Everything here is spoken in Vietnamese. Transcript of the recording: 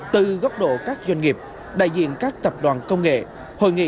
từ góc độ các doanh nghiệp đại diện các tập đoàn công nghệ